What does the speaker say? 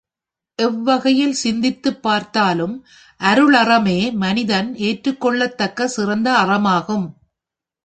எவ்வகையில் சிந்தித்துப் பார்த்தாலும் அருளறமே மனிதன் ஏற்றுக்கொள்ளத்தக்க சிறந்த அறமாகும்.